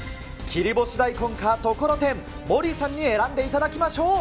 切り干し大根かところてん、モリーさんに選んでいただきましょう。